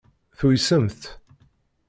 Tuysemt.